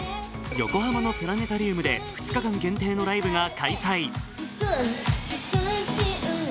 横浜のプラネタリウムで２日間限定のライブが開催。